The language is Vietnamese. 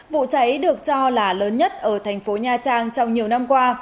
vụ cháy được cho là lớn nhất ở thành phố nha trang trong nhiều năm qua